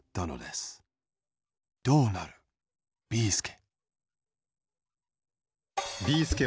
どうなるビーすけ